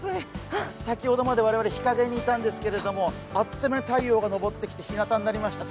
先ほどまで我々日陰にいたんですけれどもあっという間に太陽が昇ってきてひなたになりました。